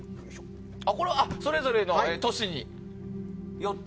それぞれの都市によって。